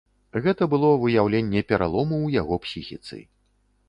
Гэта было выяўленне пералому ў яго псіхіцы.